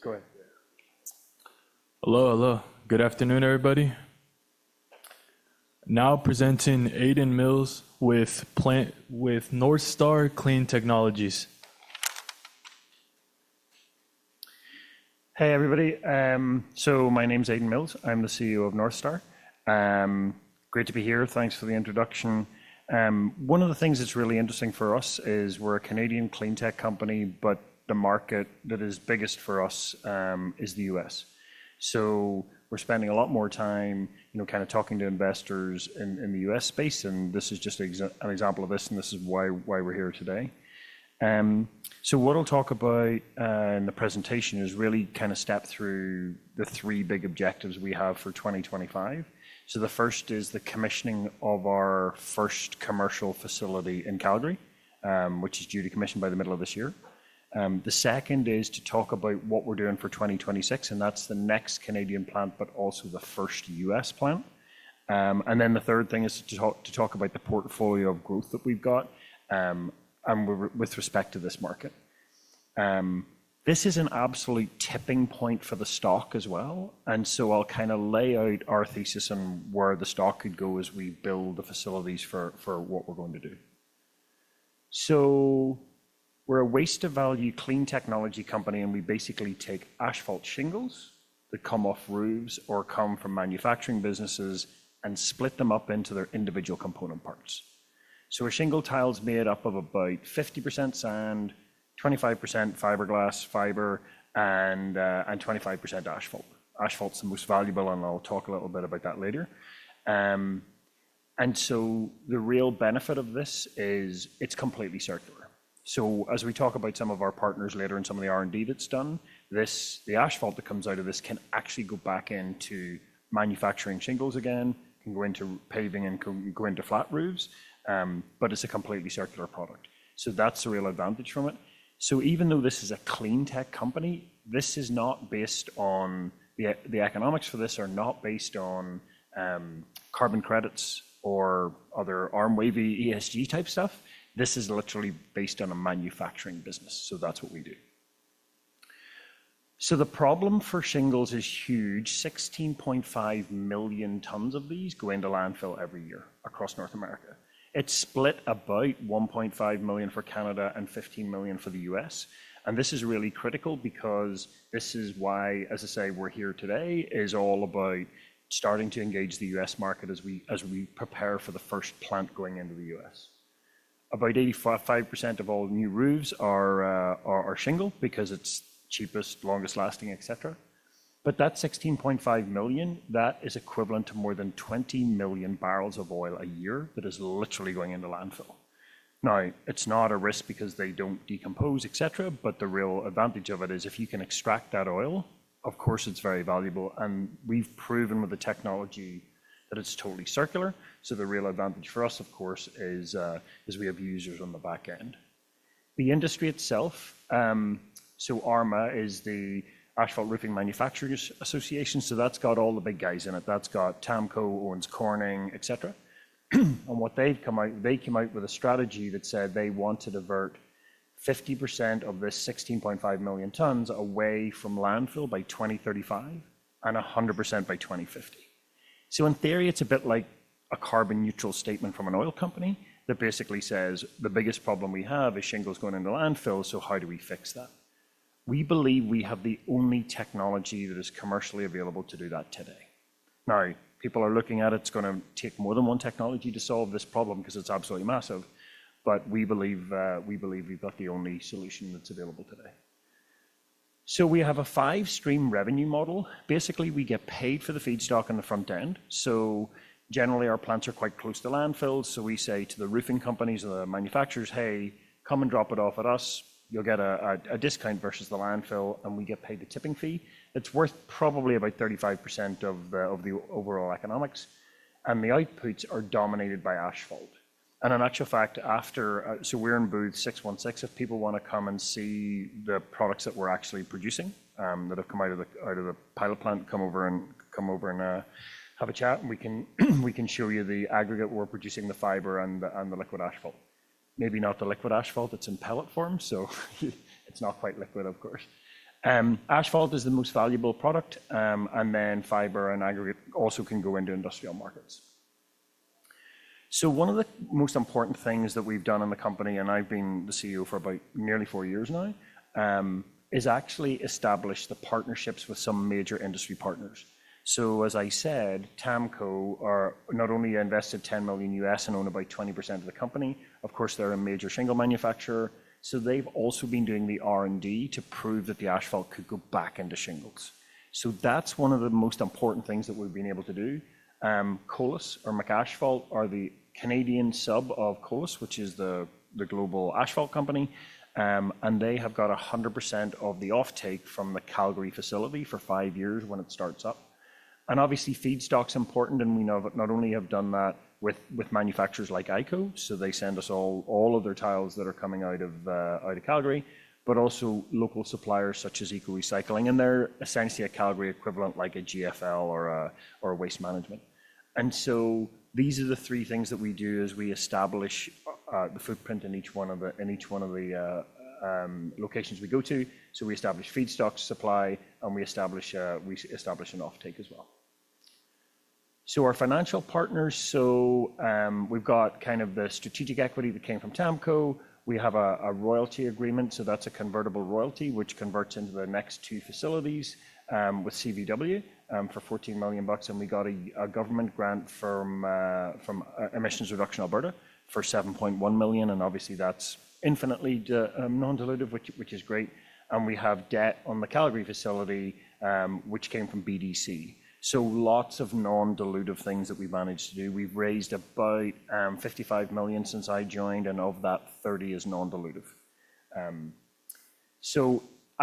Okay. Go ahead. Hello, hello. Good afternoon, everybody. Now presenting Aidan Mills with Northstar Clean Technologies. Hey, everybody. My name's Aidan Mills. I'm the CEO of Northstar. Great to be here. Thanks for the introduction. One of the things that's really interesting for us is we're a Canadian clean tech company, but the market that is biggest for us is the U.S. We're spending a lot more time kind of talking to investors in the U.S. space. This is just an example of this, and this is why we're here today. What I'll talk about in the presentation is really kind of step through the three big objectives we have for 2025. The first is the commissioning of our first commercial facility in Calgary, which is due to commission by the middle of this year. The second is to talk about what we're doing for 2026, and that's the next Canadian plant, but also the first U.S. plant. The third thing is to talk about the portfolio of growth that we've got with respect to this market. This is an absolute tipping point for the stock as well. I'll kind of lay out our thesis and where the stock could go as we build the facilities for what we're going to do. We're a waste-to-value clean technology company, and we basically take asphalt shingles that come off roofs or come from manufacturing businesses and split them up into their individual component parts. Our shingle tile is made up of about 50% sand, 25% fiberglass fiber, and 25% asphalt. Asphalt's the most valuable, and I'll talk a little bit about that later. The real benefit of this is it's completely circular. As we talk about some of our partners later and some of the R&D that's done, the asphalt that comes out of this can actually go back into manufacturing shingles again, can go into paving, and can go into flat roofs, but it's a completely circular product. That's the real advantage from it. Even though this is a clean tech company, the economics for this are not based on carbon credits or other arm-wavy ESG-type stuff. This is literally based on a manufacturing business. That's what we do. The problem for shingles is huge. 16.5 million tons of these go into landfill every year across North America. It's split about 1.5 million for Canada and 15 million for the U.S. This is really critical because this is why, as I say, we're here today is all about starting to engage the U.S. market as we prepare for the first plant going into the U.S. About 85% of all new roofs are shingle because it's cheapest, longest lasting, etc. That 16.5 million, that is equivalent to more than 20 million barrels of oil a year that is literally going into landfill. It's not a risk because they don't decompose, etc., but the real advantage of it is if you can extract that oil, of course, it's very valuable. We've proven with the technology that it's totally circular. The real advantage for us, of course, is we have users on the back end. The industry itself, so ARMA is the Asphalt Roofing Manufacturers Association. That's got all the big guys in it. That's got TAMKO, Owens Corning, etc. What they've come out, they came out with a strategy that said they want to divert 50% of this 16.5 million tons away from landfill by 2035 and 100% by 2050. In theory, it's a bit like a carbon neutral statement from an oil company that basically says, "The biggest problem we have is shingles going into landfill, so how do we fix that?" We believe we have the only technology that is commercially available to do that today. Now, people are looking at it's going to take more than one technology to solve this problem because it's absolutely massive, but we believe we've got the only solution that's available today. We have a five-stream revenue model. Basically, we get paid for the feedstock in the front end. Generally, our plants are quite close to landfills. We say to the roofing companies or the manufacturers, "Hey, come and drop it off at us. You'll get a discount versus the landfill," and we get paid the tipping fee. It's worth probably about 35% of the overall economics. The outputs are dominated by asphalt. In actual fact, after, we're in Booth 616. If people want to come and see the products that we're actually producing that have come out of the pilot plant, come over and have a chat. We can show you the aggregate we're producing, the fiber, and the liquid asphalt. Maybe not the liquid asphalt. It's in pellet form, so it's not quite liquid, of course. Asphalt is the most valuable product, and then fiber and aggregate also can go into industrial markets. One of the most important things that we've done in the company, and I've been the CEO for about nearly 4 years now, is actually establish the partnerships with some major industry partners. As I said, TAMKO not only invested $10 million and own about 20% of the company. Of course, they're a major shingle manufacturer. They've also been doing the R&D to prove that the asphalt could go back into shingles. That's one of the most important things that we've been able to do. Colas, or McAsphalt, are the Canadian sub of Colas, which is the global asphalt company. They have got 100% of the offtake from the Calgary facility for 5 years when it starts up. Obviously, feedstock's important, and we know that not only have done that with manufacturers like IKO, so they send us all of their tiles that are coming out of Calgary, but also local suppliers such as Ecco Recycling. They're essentially a Calgary equivalent like a GFL or a Waste Management. These are the three things that we do as we establish the footprint in each one of the locations we go to. We establish feedstock supply, and we establish an offtake as well. Our financial partners, we've got kind of the strategic equity that came from TAMKO. We have a royalty agreement, that's a convertible royalty, which converts into the next two facilities with CVW for 14 million bucks. We got a government grant from Emissions Reduction Alberta for 7.1 million. Obviously, that's infinitely non-dilutive, which is great. We have debt on the Calgary facility, which came from BDC. Lots of non-dilutive things that we've managed to do. We've raised about 55 million since I joined, and of that, 30 million is non-dilutive.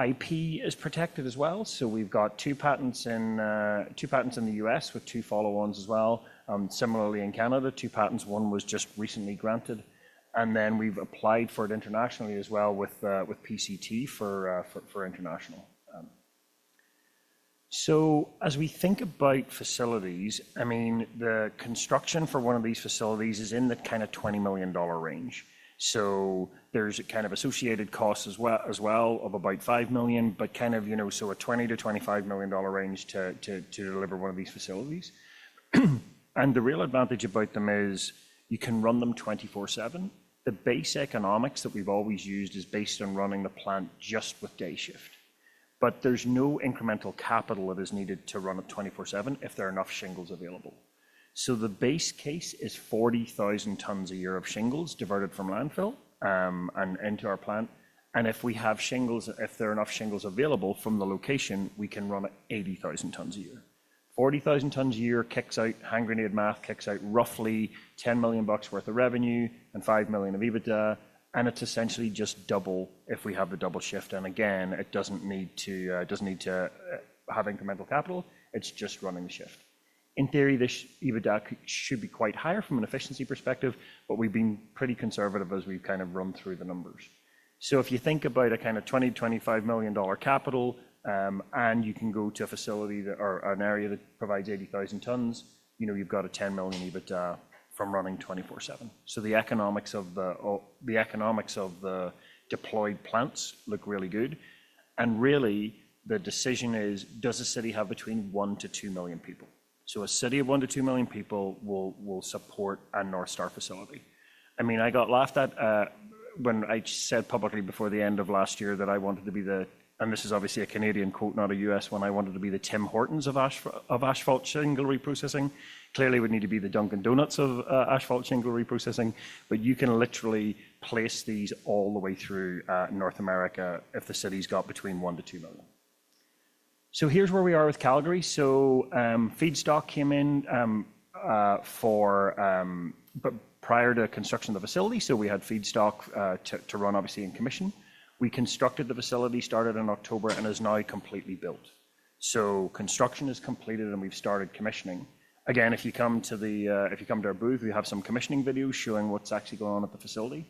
IP is protected as well. We've got two patents in the U.S. with two follow-ons as well. Similarly, in Canada, two patents. One was just recently granted. We've applied for it internationally as well with PCT for international. As we think about facilities, the construction for one of these facilities is in the kind of 20 million dollar range. There are associated costs as well of about 5 million, so a 20 million-25 million dollar range to deliver one of these facilities. The real advantage about them is you can run them 24/7. The base economics that we've always used is based on running the plant just with day shift. There is no incremental capital that is needed to run it 24/7 if there are enough shingles available. The base case is 40,000 tons a year of shingles diverted from landfill and into our plant. If we have shingles, if there are enough shingles available from the location, we can run 80,000 tons a year. 40,000 tons a year kicks out, hand grenade math, roughly 10 million bucks worth of revenue and 5 million of EBITDA. It is essentially just double if we have the double shift. It does not need to have incremental capital. It is just running the shift. In theory, this EBITDA should be quite higher from an efficiency perspective, but we've been pretty conservative as we've kind of run through the numbers. If you think about a kind of 20-25 million dollar capital, and you can go to a facility or an area that provides 80,000 tons, you've got a 10 million EBITDA from running 24/7. The economics of the deployed plants look really good. Really, the decision is, does a city have between 1-2 million people? A city of 1-2 million people will support a Northstar facility. I mean, I got laughed at when I said publicly before the end of last year that I wanted to be the, and this is obviously a Canadian quote, not a U.S. one, I wanted to be the Tim Hortons of asphalt shingle reprocessing. Clearly, we'd need to be the Dunkin' Donuts of asphalt shingle reprocessing. You can literally place these all the way through North America if the city's got between 1-2 million. Here's where we are with Calgary. Feedstock came in prior to construction of the facility, so we had feedstock to run, obviously, in commission. We constructed the facility, started in October, and it is now completely built. Construction is completed, and we've started commissioning. If you come to our booth, we have some commissioning videos showing what's actually going on at the facility.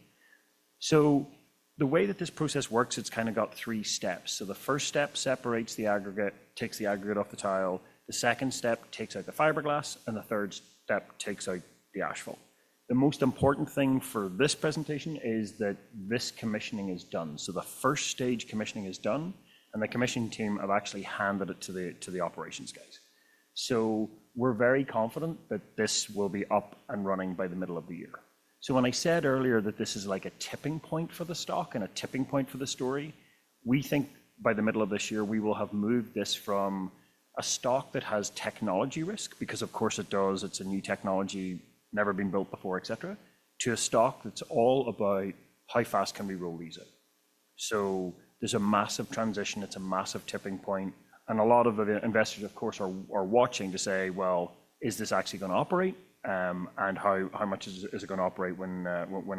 The way that this process works, it's kind of got three steps. The first step separates the aggregate, takes the aggregate off the tile. The second step takes out the fiberglass, and the third step takes out the asphalt. The most important thing for this presentation is that this commissioning is done. The first stage commissioning is done, and the commissioning team have actually handed it to the operations guys. We are very confident that this will be up and running by the middle of the year. When I said earlier that this is like a tipping point for the stock and a tipping point for the story, we think by the middle of this year, we will have moved this from a stock that has technology risk, because of course it does, it's a new technology, never been built before, etc., to a stock that's all about how fast can we roll these out. There is a massive transition. It's a massive tipping point. A lot of investors, of course, are watching to say, "Well, is this actually going to operate? How much is it going to operate when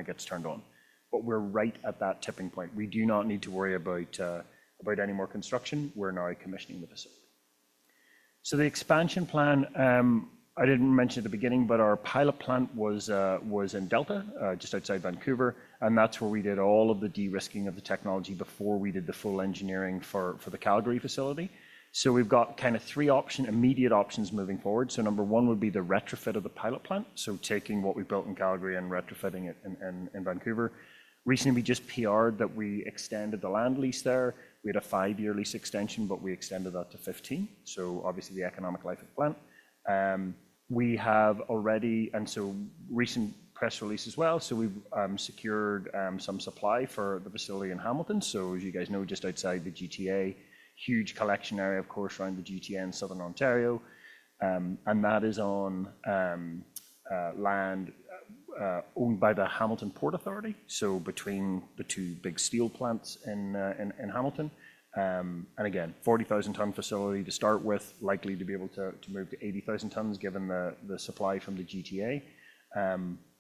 it gets turned on? We're right at that tipping point. We do not need to worry about any more construction. We're now commissioning the facility. The expansion plan, I did not mention at the beginning, but our pilot plant was in Delta, just outside Vancouver. That is where we did all of the de-risking of the technology before we did the full engineering for the Calgary facility. We have kind of three immediate options moving forward. Number one would be the retrofit of the pilot plant, taking what we built in Calgary and retrofitting it in Vancouver. Recently, we just PR'd that we extended the land lease there. We had a 5-year lease extension, but we extended that to 15. Obviously, the economic life of the plant. We have already, and so recent press release as well, so we've secured some supply for the facility in Hamilton. As you guys know, just outside the GTA, huge collection area, of course, around the GTA in southern Ontario. That is on land owned by the Hamilton Port Authority, between the two big steel plants in Hamilton. Again, 40,000-ton facility to start with, likely to be able to move to 80,000 tons given the supply from the GTA,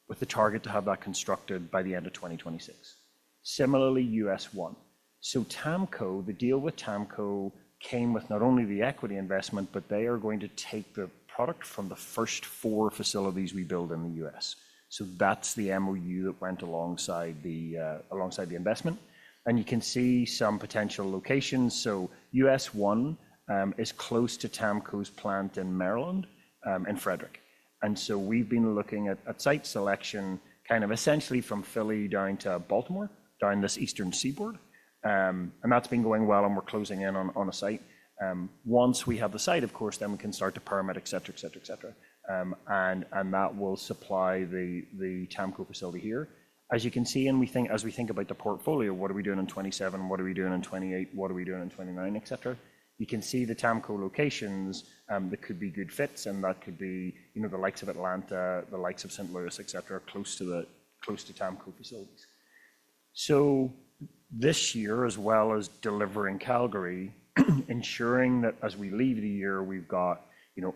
with the target to have that constructed by the end of 2026. Similarly, US#1. TAMKO, the deal with TAMKO came with not only the equity investment, but they are going to take the product from the first four facilities we build in the U.S. That is the MOU that went alongside the investment. You can see some potential locations. US#1 is close to TAMKO's plant in Maryland and Frederick. We have been looking at site selection essentially from Philly down to Baltimore, down this eastern seaboard. That has been going well, and we are closing in on a site. Once we have the site, of course, then we can start to permit, etc., etc., etc. That will supply the TAMKO facility here. As you can see, and as we think about the portfolio, what are we doing in 2027? What are we doing in 2028? What are we doing in 2029? Etc. You can see the TAMKO locations that could be good fits, and that could be the likes of Atlanta, the likes of St. Louis, etc., close to TAMKO facilities. This year, as well as delivering Calgary, ensuring that as we leave the year, we've got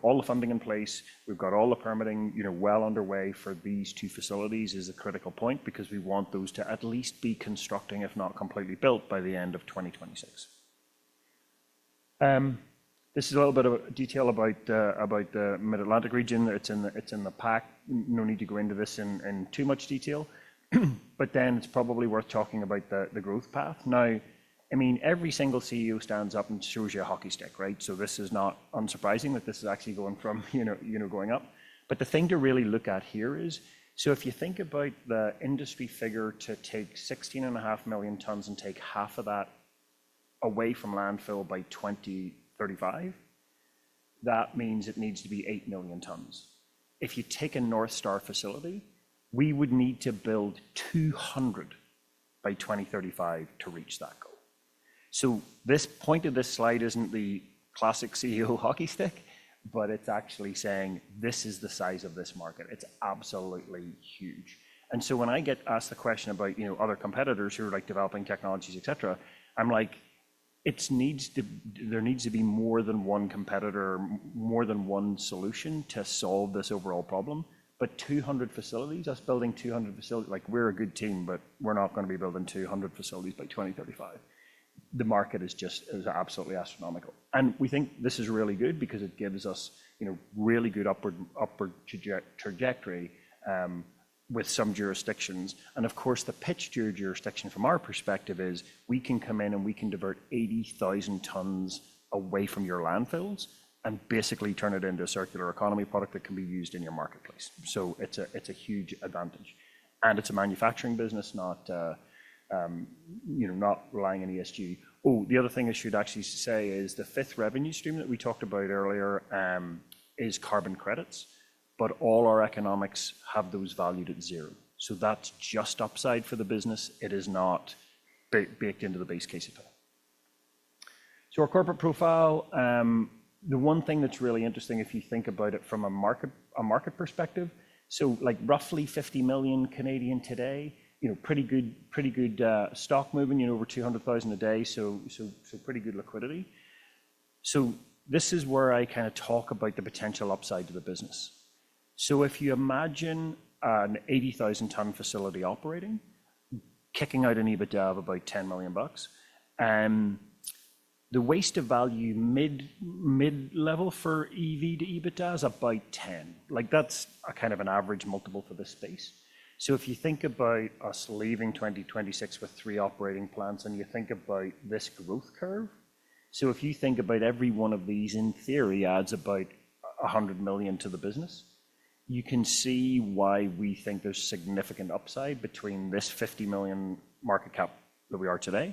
all the funding in place, we've got all the permitting well underway for these two facilities is a critical point because we want those to at least be constructing, if not completely built by the end of 2026. This is a little bit of detail about the Mid-Atlantic region. It's in the pack. No need to go into this in too much detail. I mean, every single CEO stands up and shows you a hockey stick, right? This is not unsurprising that this is actually going from going up. The thing to really look at here is, if you think about the industry figure to take 16.5 million tons and take half of that away from landfill by 2035, that means it needs to be 8 million tons. If you take a Northstar facility, we would need to build 200 by 2035 to reach that goal. The point of this slide is not the classic CEO hockey stick, but it is actually saying this is the size of this market. It is absolutely huge. When I get asked the question about other competitors who are developing technologies, etc., I am like, there needs to be more than one competitor, more than one solution to solve this overall problem. Two hundred facilities, us building 200 facilities, like we are a good team, but we are not going to be building 200 facilities by 2035. The market is just absolutely astronomical. We think this is really good because it gives us really good upward trajectory with some jurisdictions. Of course, the pitch to your jurisdiction from our perspective is we can come in and we can divert 80,000 tons away from your landfills and basically turn it into a circular economy product that can be used in your marketplace. It is a huge advantage. It is a manufacturing business, not relying on ESG. Oh, the other thing I should actually say is the fifth revenue stream that we talked about earlier is carbon credits, but all our economics have those valued at zero. That is just upside for the business. It is not baked into the base case at all. Our corporate profile, the one thing that's really interesting if you think about it from a market perspective, roughly 50 million today, pretty good stock moving, over 200,000 a day, so pretty good liquidity. This is where I kind of talk about the potential upside to the business. If you imagine an 80,000-ton facility operating, kicking out an EBITDA of about $10 million, the waste-to-value mid-level for EV/EBITDA is up by 10. That's kind of an average multiple for the space. If you think about us leaving 2026 with three operating plants and you think about this growth curve, if you think about every one of these in theory adds about 100 million to the business, you can see why we think there's significant upside between this 50 million market cap that we are today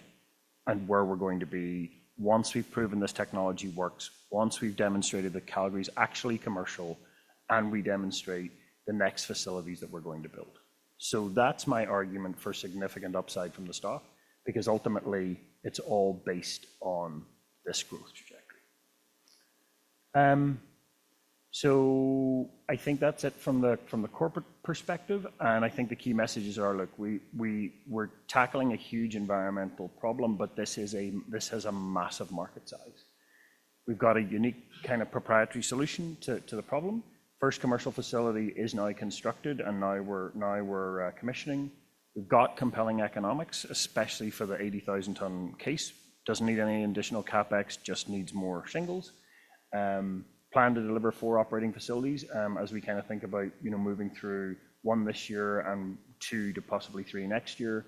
and where we're going to be once we've proven this technology works, once we've demonstrated that Calgary is actually commercial and we demonstrate the next facilities that we're going to build. That's my argument for significant upside from the stock because ultimately it's all based on this growth trajectory. I think that's it from the corporate perspective. I think the key messages are, look, we're tackling a huge environmental problem, but this has a massive market size. We've got a unique kind of proprietary solution to the problem. First commercial facility is now constructed and now we're commissioning. We've got compelling economics, especially for the 80,000-ton case. Doesn't need any additional CapEx, just needs more shingles. Plan to deliver four operating facilities as we kind of think about moving through one this year and two to possibly three next year.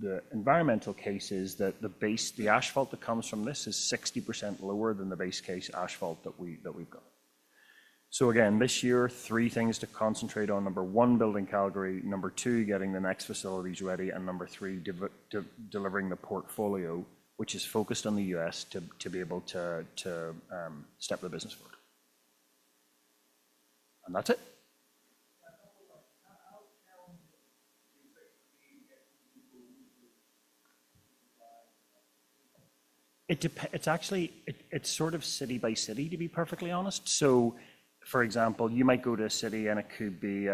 The environmental case is that the asphalt that comes from this is 60% lower than the base case asphalt that we've got. This year, three things to concentrate on. Number one, building Calgary. Number two, getting the next facilities ready. Number three, delivering the portfolio, which is focused on the U.S. to be able to step the business forward. That's it. It's actually sort of city by city, to be perfectly honest. For example, you might go to a city and it could be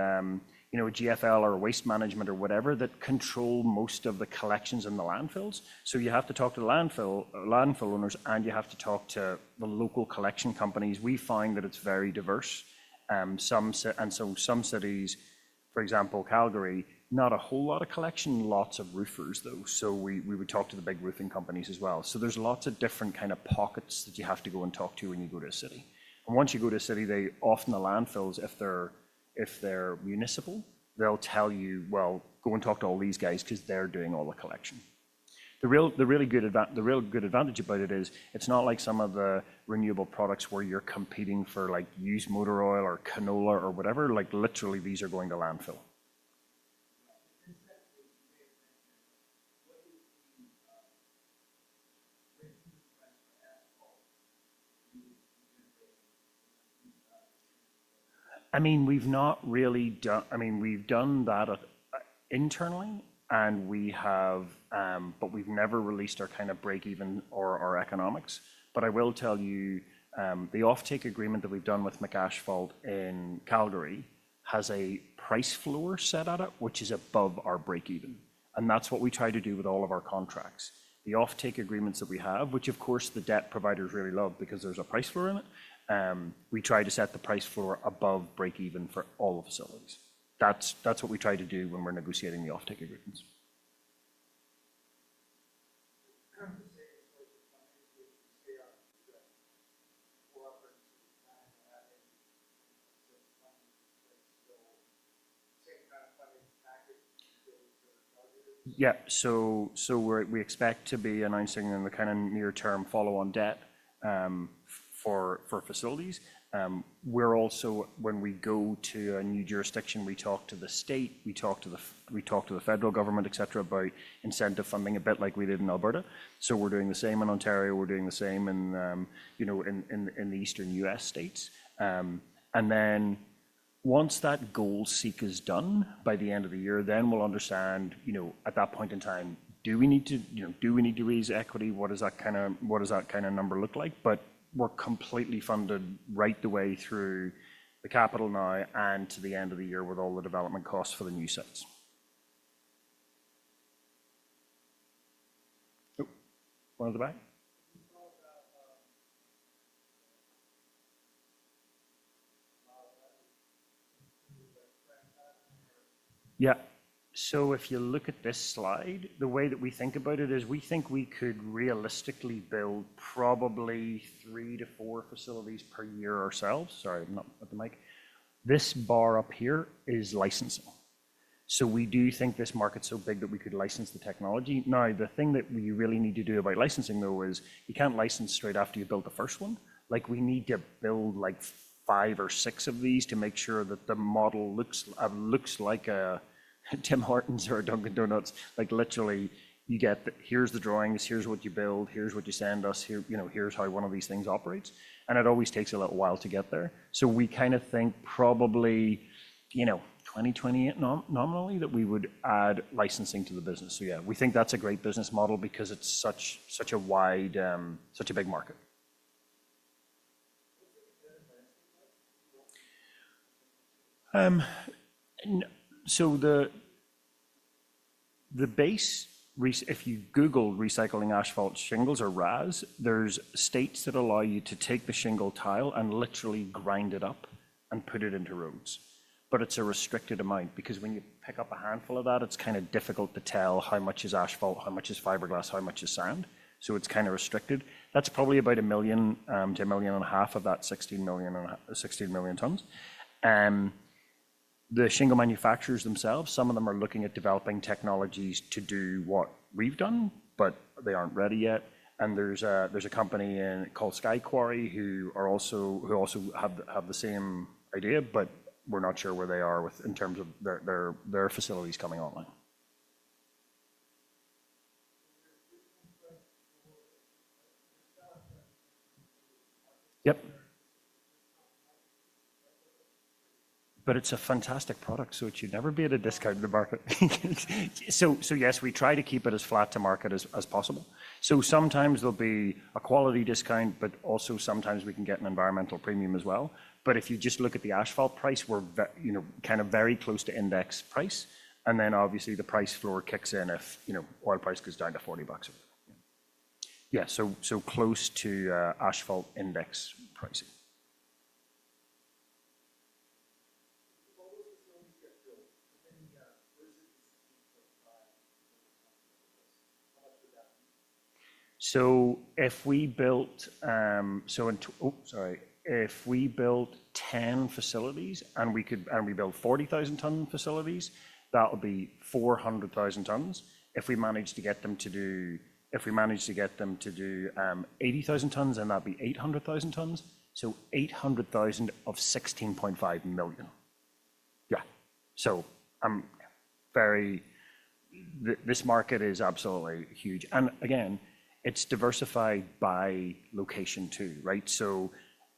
a GFL or a Waste Management or whatever that control most of the collections in the landfills. You have to talk to the landfill owners and you have to talk to the local collection companies. We find that it's very diverse. Some cities, for example, Calgary, not a whole lot of collection, lots of roofers though. We would talk to the big roofing companies as well. There are lots of different kind of pockets that you have to go and talk to when you go to a city. Once you go to a city, they often, the landfills, if they're municipal, they'll tell you, "Go and talk to all these guys because they're doing all the collection." The real good advantage about it is it's not like some of the renewable products where you're competing for used motor oil or canola or whatever. Literally, these are going to landfill. I mean, we've not really done, I mean, we've done that internally, but we've never released our kind of break-even or our economics. I will tell you, the offtake agreement that we've done with McAsphalt in Calgary has a price floor set at it, which is above our break-even. That's what we try to do with all of our contracts. The offtake agreements that we have, which of course the debt providers really love because there's a price floor in it, we try to set the price floor above break-even for all the facilities. That's what we try to do when we're negotiating the offtake agreements. Yeah. We expect to be announcing in the kind of near-term follow-on debt for facilities. We're also, when we go to a new jurisdiction, we talk to the state, we talk to the federal government, etc., about incentive funding a bit like we did in Alberta. We're doing the same in Ontario. We're doing the same in the eastern U.S. states. Once that goal seek is done by the end of the year, we'll understand at that point in time, do we need to raise equity? What does that kind of number look like? We're completely funded right the way through the capital now and to the end of the year with all the development costs for the new sites. Oh, one at the back. Yeah. If you look at this slide, the way that we think about it is we think we could realistically build probably three to four facilities per year ourselves. Sorry, I'm not at the mic. This bar up here is licensing. We do think this market's so big that we could license the technology. Now, the thing that we really need to do about licensing, though, is you can't license straight after you've built the first one. We need to build five or six of these to make sure that the model looks like a Tim Hortons or a Dunkin' Donuts. Literally, you get, "Here's the drawings. Here's what you build. Here's what you send us. Here's how one of these things operates. It always takes a little while to get there. We kind of think probably 2028 nominally that we would add licensing to the business. Yeah, we think that's a great business model because it's such a wide, such a big market. The base, if you Google recycling asphalt shingles or RAS, there are states that allow you to take the shingle tile and literally grind it up and put it into roads. It's a restricted amount because when you pick up a handful of that, it's kind of difficult to tell how much is asphalt, how much is fiberglass, how much is sand. It's kind of restricted. That's probably about 1 million to 1.5 million of that 16 million tons. The shingle manufacturers themselves, some of them are looking at developing technologies to do what we've done, but they aren't ready yet. There's a company called Sky Quarry who also have the same idea, but we're not sure where they are in terms of their facilities coming online. Yep. It's a fantastic product, so it should never be at a discount in the market. Yes, we try to keep it as flat to market as possible. Sometimes there'll be a quality discount, but also sometimes we can get an environmental premium as well. If you just look at the asphalt price, we're kind of very close to index price. Obviously the price floor kicks in if oil price goes down to $40 a bar. Yeah, close to asphalt index pricing. If we built 10 facilities and we built 40,000-ton facilities, that would be 400,000 tons. If we manage to get them to do 80,000 tons, then that would be 800,000 tons. 800,000 of 16.5 million. Yeah. This market is absolutely huge. Again, it's diversified by location too, right?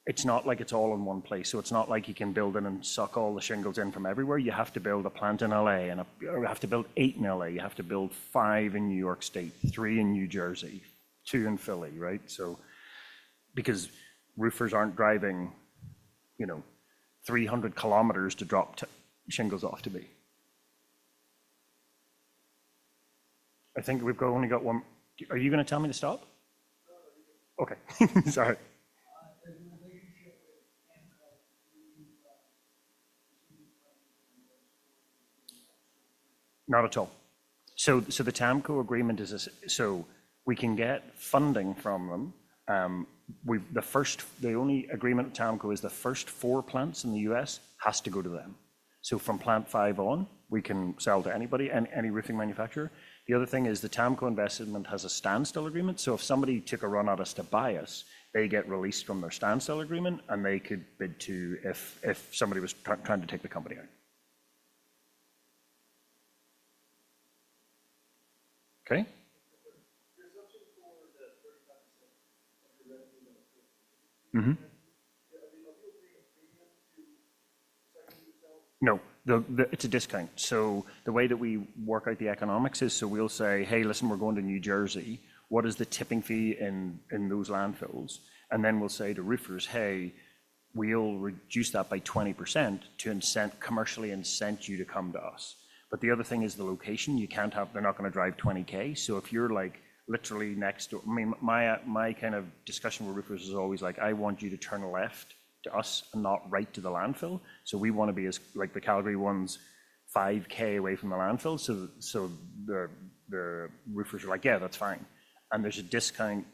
It's not like it's all in one place. It's not like you can build in and suck all the shingles in from everywhere. You have to build a plant in LA and you have to build eight in LA. You have to build five in New York State, three in New Jersey, two in Philly, right? Because roofers aren't driving 300 km to drop shingles off to be. I think we've only got one. Are you going to tell me to stop? Okay. Sorry. Not at all. The TAMKO agreement is a, so we can get funding from them. The only agreement with TAMKO is the first four plants in the U.S. have to go to them. From Plant Five on, we can sell to anybody, any roofing manufacturer. The other thing is the TAMKO investment has a standstill agreement. If somebody took a run at us to buy us, they get released from their standstill agreement and they could bid too if somebody was trying to take the company out. Okay. No. It's a discount. The way that we work out the economics is, we'll say, "Hey, listen, we're going to New Jersey. What is the tipping fee in those landfills?" Then we'll say to roofers, "Hey, we'll reduce that by 20% to commercially incent you to come to us." The other thing is the location. You can't have, they're not going to drive 20K. If you're literally next to, I mean, my kind of discussion with roofers is always like, "I want you to turn left to us and not right to the landfill." We want to be as, like the Calgary one is 5 km away from the landfill. The roofers are like, "Yeah, that's fine." There's a discount.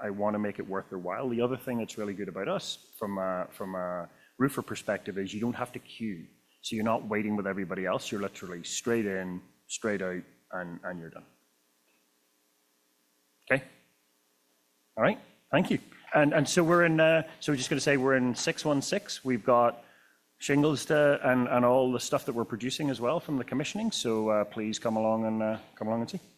I want to make it worth their while. The other thing that's really good about us from a roofer perspective is you don't have to queue. You're not waiting with everybody else. You're literally straight in, straight out, and you're done. Okay. All right. Thank you. We're in, we're just going to say we're in 616. We've got shingles and all the stuff that we're producing as well from the commissioning. Please come along and see.